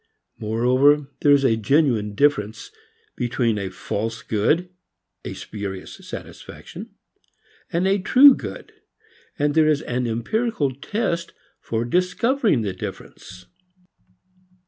Moreover there is a genuine difference between a false good, a spurious satisfaction, and a "true" good, and there is an empirical test for discovering the difference.